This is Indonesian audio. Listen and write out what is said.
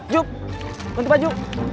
jup ganti baju